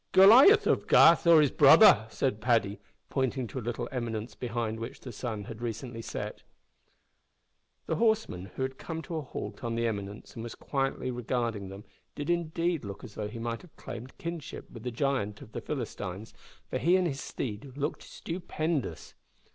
"Goliath of Gath or his brother!" said Paddy, pointing to a little eminence behind which the sun had but recently set. The horseman, who had come to a halt on the eminence and was quietly regarding them, did indeed look as if he might have claimed kinship with the giant of the Philistines, for he and his steed looked stupendous.